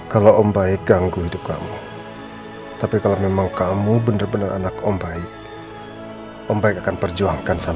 gua lagi yang kena